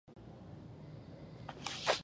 زۀ د شيخ زايد پوهنتون مدير يم.